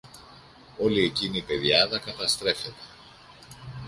όλη εκείνη η πεδιάδα καταστρέφεται!